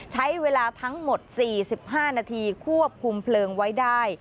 ใช้เวลาทั้งหมด๔๕นาทีควบคุมเพลิงไว้ได้